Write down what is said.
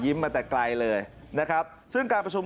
ยิ้มมาแต่ไกลเลยเช่นการประชุม